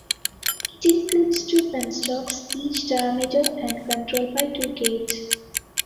It includes two penstocks, each diameter and controlled by two gates.